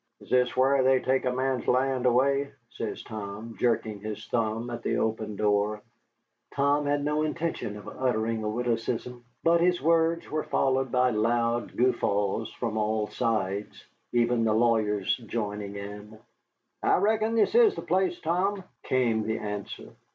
"Is this whar they take a man's land away?" says Tom, jerking his thumb at the open door. Tom had no intention of uttering a witticism, but his words were followed by loud guffaws from all sides, even the lawyers joining in. "I reckon this is the place, Tom," came the answer.